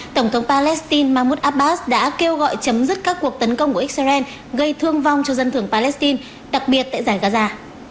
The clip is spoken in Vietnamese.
tổng thống palestine mahmoud abbas đã kêu gọi chấm dứt các cuộc tấn công của israel gây thương vong cho dân thường palestine đặc biệt tại giải gaza